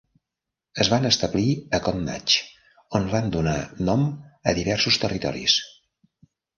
Es van establir a Connacht, on van donar nom a diversos territoris.